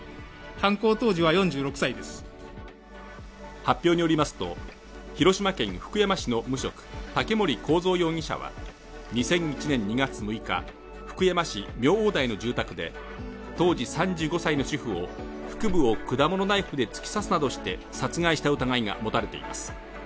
発表によりますと、広島県福山市の無職、竹森幸三容疑者は２００１年２月６日、福山市明王台の住宅で当時３５歳の主婦を腹部を果物ナイフで突き刺すなどして殺害した疑いが持たれています。